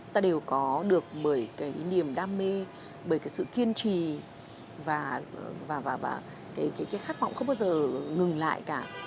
ta đều có được bởi cái niềm đam mê bởi cái sự kiên trì và cái khát vọng không bao giờ ngừng lại cả